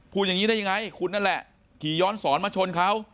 พูดอย่างนี้ได้ยังไงคุณนั่นแหละขี่ย้อนสอนมาชนเขา